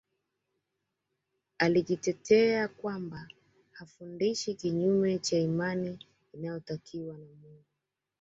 Alijitetea kwamba hafundishi kinyume cha imani inayotakiwa na Mungu